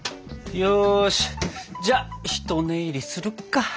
よしじゃひと寝入りするか。